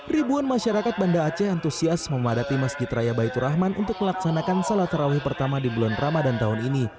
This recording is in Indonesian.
ribuan masyarakat banda aceh antusias memadati masjid raya baitur rahman untuk melaksanakan salat tarawih pertama di bulan ramadan tahun ini